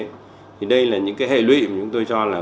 thì đây là những cái hệ lụy mà chúng tôi cho là